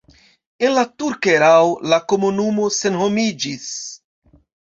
En la turka erao la komunumo senhomiĝis.